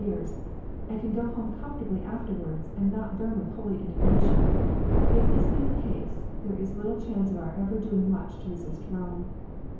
ears, and can go home comfortably afterwards, and not burn with holy indignation, if this be the case, there is little chance of our ever doing much to resist Rome.